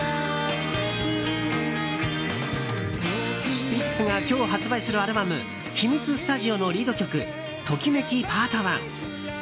スピッツが今日発売するアルバム「ひみつスタジオ」のリード曲「ときめきｐａｒｔ１」。